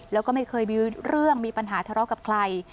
แล้วก็ไม่เคยมีเรื่องมีปัญหาทะเลาะกับใคร